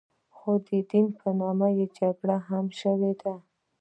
خو د دین په نامه جګړې هم شوې دي.